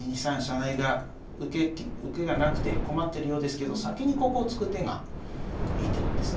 成が受けがなくて困ってるようですけど先にここを突く手がいい手なんですね。